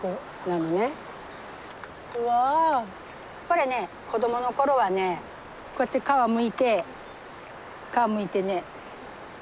これね子どもの頃はねこうやって皮むいて皮むいてね。